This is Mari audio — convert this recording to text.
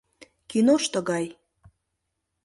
Киношто гай!